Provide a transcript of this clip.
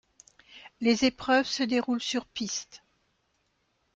Les épreuves se déroulent sur piste.